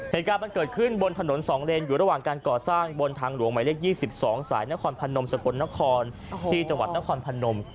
เหตุการณ์มันเกิดขึ้นบนถนน๒เลนอยู่ระหว่างการก่อสร้างบนทางหลวงหมายเลข๒๒สายนครพนมสกลนครที่จังหวัดนครพนม